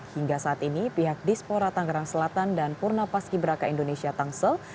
hingga saat ini pihak dispora tangerang selatan dan purna paski beraka indonesia tangsel